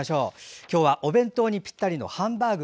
今日は、お弁当にぴったりのハンバーグ！